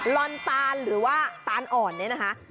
ลอนตานหรือว่าตานอ่อนเนี่ยนะคะ